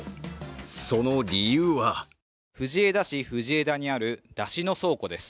その理由は藤枝市藤枝にあるだしの倉庫です。